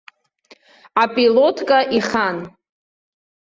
Апилотка ихан.